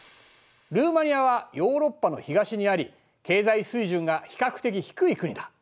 ルーマニアはヨーロッパの東にあり経済水準が比較的低い国だ。